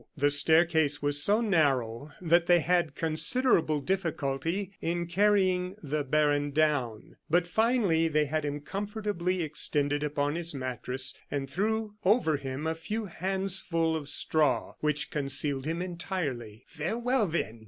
The staircase was so narrow that they had considerable difficulty in carrying the baron down; but finally they had him comfortably extended upon his mattress and threw over him a few handsful of straw, which concealed him entirely. "Farewell, then!"